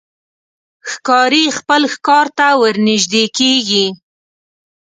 ښکاري خپل ښکار ته ورنژدې کېږي.